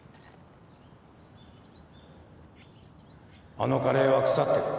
あのカレエは腐ってる